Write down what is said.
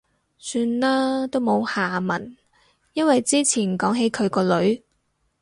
算喇，都冇下文。因為之前講起佢個女